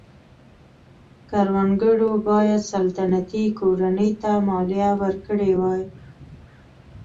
کروندګرو باید سلطنتي کورنۍ ته مالیه ورکړې وای.